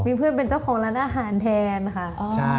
มีเพื่อนเป็นเจ้าของร้านอาหารแทนค่ะ